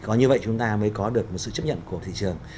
có như vậy chúng ta mới có được một sự chấp nhận của thị trường